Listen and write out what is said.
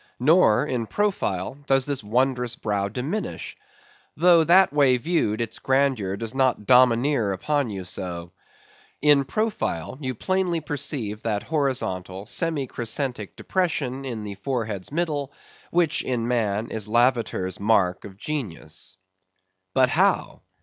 Nor, in profile, does this wondrous brow diminish; though that way viewed its grandeur does not domineer upon you so. In profile, you plainly perceive that horizontal, semi crescentic depression in the forehead's middle, which, in man, is Lavater's mark of genius. But how?